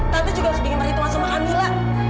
tante juga harus bikin perhitungan sama kamila